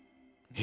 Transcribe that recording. え？